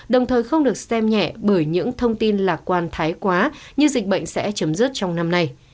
đồng thời không được xem nhẹ bởi những thông tin lạc quan thái quá như dịch bệnh sẽ chấm dứt trong năm nay